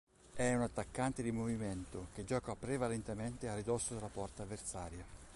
È un attaccante di movimento, che gioca prevalentemente a ridosso della porta avversaria.